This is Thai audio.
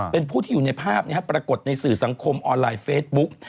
เป็นผู้ที่อยู่ในภาพปรากฏในสื่อสังคมออนไลน์เฟซบุ๊ก